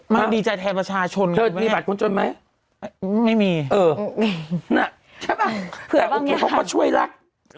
มันดีใจแทนประชาชนมีบัตรคนจนไหมไม่มีเออน่ะใช่ป่ะเขาก็ช่วยลักษณ์